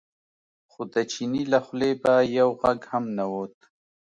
خو د چیني له خولې به یو غږ هم نه ووت.